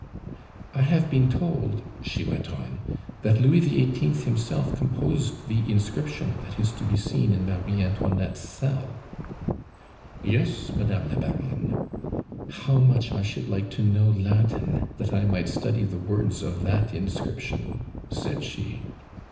"I have been told," she went on, "that Louis XVIII. himself composed the inscription that is to be seen in Marie Antoinette's cell." "Yes, Madame la Baronne." "How much I should like to know Latin that I might study the words of that inscription!" said she.